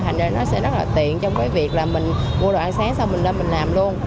thành ra nó sẽ rất là tiện trong cái việc là mình mua đồ ăn sáng xong mình lên mình làm luôn